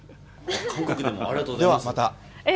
韓国でも、ありがとうございます。